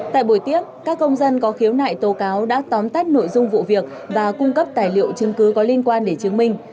tại buổi tiếp các công dân có khiếu nại tố cáo đã tóm tắt nội dung vụ việc và cung cấp tài liệu chứng cứ có liên quan để chứng minh